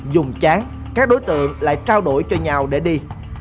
dùng chán các đối tượng lại trao đổi cho nhau để đi